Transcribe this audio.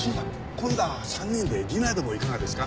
今度は３人でディナーでもいかがですか？